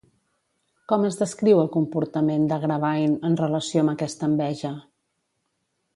Com es descriu el comportament d'Agravain en relació amb aquesta enveja?